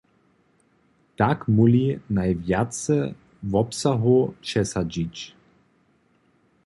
Tak móhli najwjace wobsahow přesadźić.